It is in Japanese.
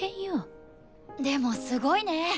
でもすごいね。